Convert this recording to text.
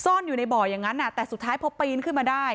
ซ่อนอยู่ในบ่ออย่างนั้นแต่สุดท้ายพอปีนขึ้นมาได้